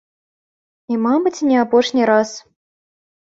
І мабыць, не апошні раз.